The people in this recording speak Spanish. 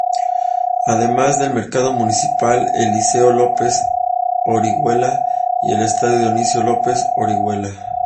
Además del Mercado Municipal, El Liceo López Orihuela, y el Estadio Dionisio López Orihuela.